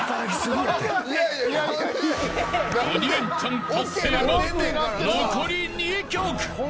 鬼レンチャン達成まで残り２曲。